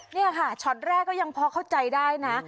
นี่ค่ะช็อตแรกก็ยังพอเข้าใจได้นะ